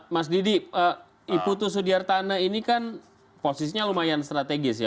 mas didi iputu sudiartana ini kan posisinya lumayan strategis ya